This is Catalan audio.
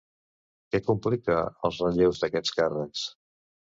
Què complica els relleus d'aquests càrrecs?